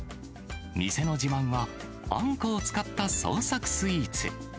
店の自慢はあんこを使った創作スイーツ。